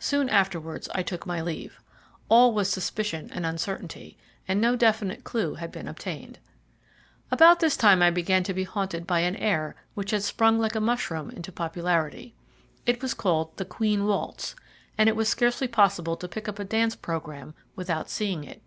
Soon afterwards I took my leave. All was suspicion and uncertainty, and no definite clue had been obtained. About this time I began to be haunted by an air which had sprung like a mushroom into popularity. It was called the "Queen Waltz," and it was scarcely possible to pick up a dance programme without seeing it.